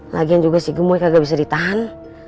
lagian juga si gemoy kagak bisa ditahan